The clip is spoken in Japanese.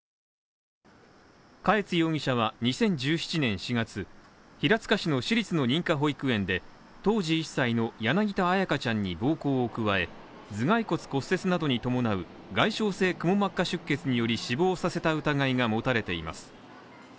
嘉悦容疑者は２０１７年４月、平塚市の私立の認可保育園で当時１歳の柳田彩香ちゃんに暴行を加え、頭蓋骨骨折などに伴う外傷性くも膜下出血により死亡させた疑いが持たれています。